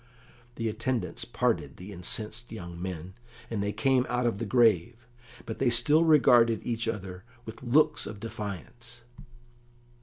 The attendants parted the incensed young men, and they came out of the grave, but they still regarded each other with looks of defiance.